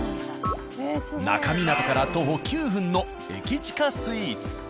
那珂湊から徒歩９分の駅近スイーツ。